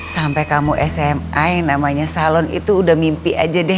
sampai kamu smi yang namanya salon itu udah mimpi aja deh